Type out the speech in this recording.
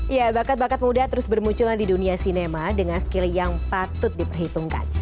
ya bakat bakat muda terus bermunculan di dunia sinema dengan skill yang patut diperhitungkan